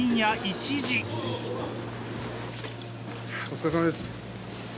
お疲れさまです。